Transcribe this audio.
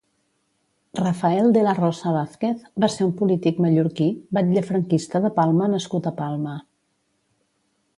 Rafael de la Rosa Vázquez va ser un polític mallorquí, batlle franquista de Palma nascut a Palma.